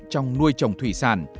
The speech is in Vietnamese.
trong nuôi trồng thủy sản